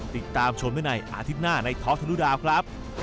คือแบงค์มาติดเข้า